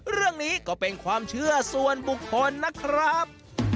เรื่องนี้ก็เป็นความเชื่อส่วนบุคคลนะครับ